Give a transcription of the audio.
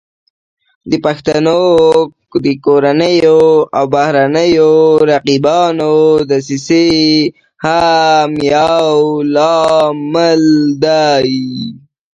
د پښتنو د کورنیو او بهرنیو رقیبانو دسیسې هم یو لامل دی